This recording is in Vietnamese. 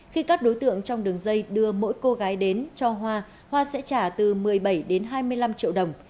khi các đối tượng trong đường dây đưa mỗi cô gái đến cho hoa hoa sẽ trả từ một mươi bảy đến hai mươi năm triệu đồng